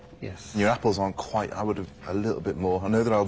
はい。